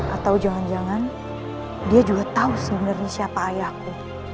atau jangan jangan dia juga tahu sebenarnya siapa ayahku